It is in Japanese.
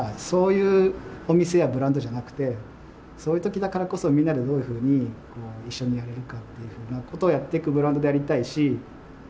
そういうお店やブランドじゃなくてそういう時だからこそみんなでどういうふうに一緒にやれるかというふうなことをやっていくブランドでありたいし。